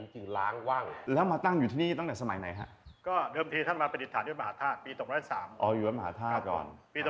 พระกษัตริย์ที่ทรงศาสตร์ในศาสนาพราหมิดู